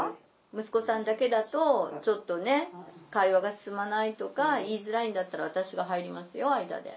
息子さんだけだとちょっとね会話が進まないとか言いづらいんだったら私が入りますよ間で。